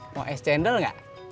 mau es jendal gak